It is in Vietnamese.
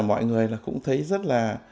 mọi người cũng thấy rất là